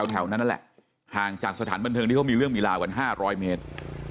แถวนั้นนั่นแหละห่างจากสถานบันเทิงที่เขามีเรื่องมีราวกัน๕๐๐เมตร